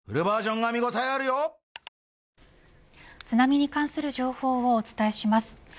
津波に関する情報をお伝えします。